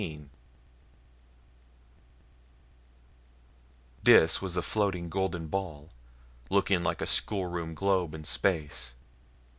XIX Dis was a floating golden ball, looking like a schoolroom globe in space.